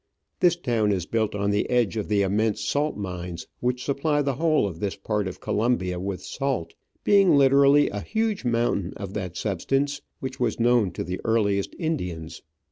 This town is built on the edge of the immense salt mines which supply the whole of this part of Colombia with salt, being literally a huge mountain of that substance, which was known to the earliest Indians.